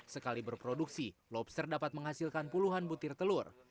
sekali berproduksi lobster dapat menghasilkan puluhan butir telur